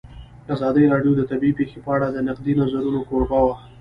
ازادي راډیو د طبیعي پېښې په اړه د نقدي نظرونو کوربه وه.